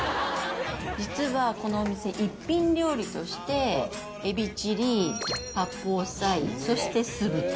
実はこのお店一品料理としてエビチリ八宝菜そして酢豚。